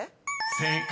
［正解。